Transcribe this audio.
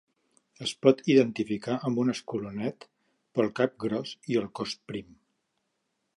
Es pot identificar amb un escolanet pel cap gros i el cos prim.